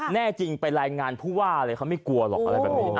แน่จริงไปรายงานผู้ว่าอะไรเขาไม่กลัวหรอกอะไรแบบนี้นะ